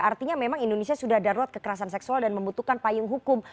artinya memang indonesia sudah darurat kekerasan seksual dan membutuhkan payung hukum